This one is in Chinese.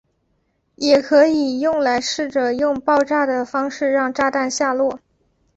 也可以用来试着用爆炸的方式让炸弹下落。